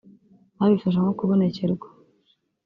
Babifashe nko kubonekerwa